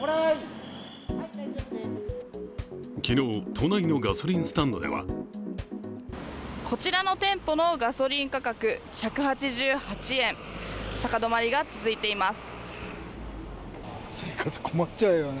昨日、都内のガソリンスタンドではこちらの店舗のガソリン価格１８８円、高止まりが続いています。